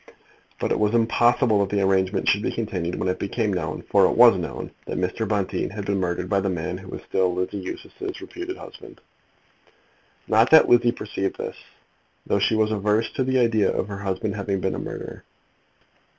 But it was impossible that the arrangement should be continued when it became known, for it was known, that Mr. Bonteen had been murdered by the man who was still Lizzie's reputed husband. Not that Lizzie perceived this, though she was averse to the idea of her husband having been a murderer.